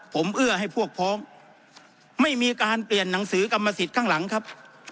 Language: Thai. ผมเอื้อให้พวกพ้องไม่มีการเปลี่ยนหนังสือกรรมสิทธิ์ข้างหลังครับ